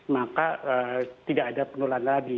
maka tidak ada penularan lagi